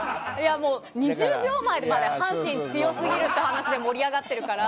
２０秒前まで阪神強すぎるって話で盛り上がってるから。